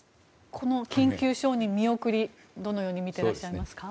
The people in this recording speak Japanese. この緊急承認見送りどのように見ていらっしゃいますか。